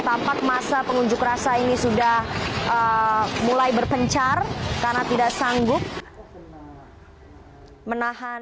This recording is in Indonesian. tampak masa pengunjuk rasa ini sudah mulai berpencar karena tidak sanggup menahan